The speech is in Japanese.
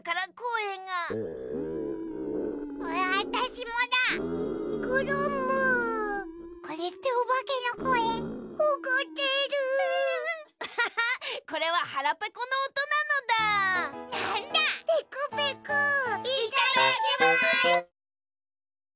いっただっきます！